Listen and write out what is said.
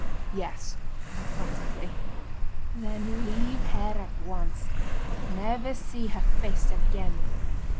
"Yes," emphatically. "Then leave her at once—never see her face again.